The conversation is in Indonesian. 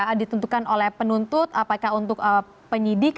apakah ditentukan oleh penuntut apakah untuk penyidik